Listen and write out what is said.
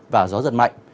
và gió giật mạnh